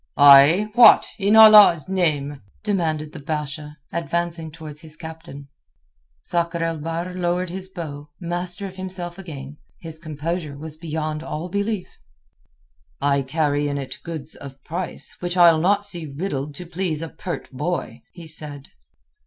"Ay, what, in Allah's name?" demanded the Basha, advancing towards his captain. Sakr el Bahr lowered his bow, master of himself again. His composure was beyond all belief. "I carry in it goods of price, which I'll not see riddled to please a pert boy," he said.